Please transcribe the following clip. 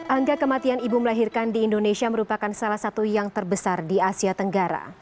angka kematian ibu melahirkan di indonesia merupakan salah satu yang terbesar di asia tenggara